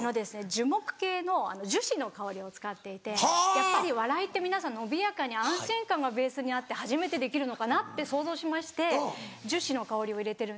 やっぱり笑いって皆さん伸びやかに安心感がベースにあって初めてできるのかなって想像しまして樹脂の香りを入れてるんですね。